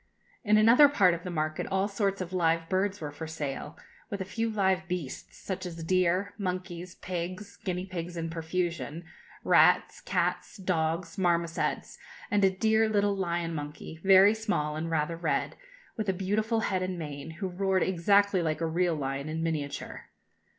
In another part of the market all sorts of live birds were for sale, with a few live beasts, such as deer, monkeys, pigs, guinea pigs in profusion, rats, cats, dogs, marmosets, and a dear little lion monkey, very small and rather red, with a beautiful head and mane, who roared exactly like a real lion in miniature.